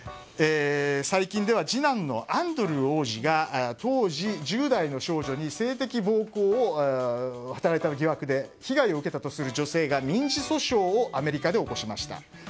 最近では次男のアンドルー王子が当時１０代の少女に性的暴行を働いた疑惑で被害を受けたとする女性が民事訴訟をアメリカで起こしました。